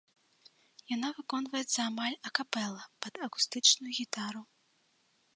Яна выконваецца амаль акапэла, пад акустычную гітару.